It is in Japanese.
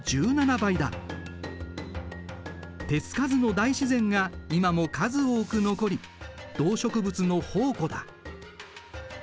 手付かずの大自然が今も数多く残り動植物の宝庫だ。